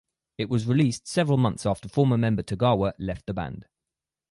It was released several months after former member Tagawa left the band.